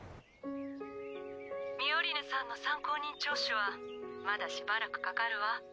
ミオリネさんの参考人聴取はまだしばらくかかるわ。